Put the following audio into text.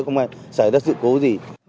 không phải xảy ra sự cố gì